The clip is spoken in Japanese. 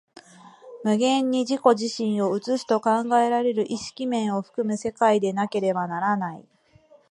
無限に自己自身を映すと考えられる意識面を含む世界でなければならない。